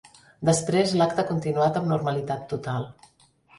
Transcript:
Després l’acte ha continuat amb normalitat total.